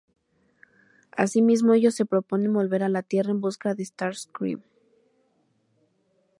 Asimismo ellos se proponen volver a la tierra en busca de Starscream.